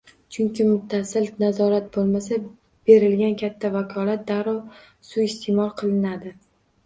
Chunki muttasil nazorat bo‘lmasa, berilgan katta vakolat darrov suiisteʼmol qilinadi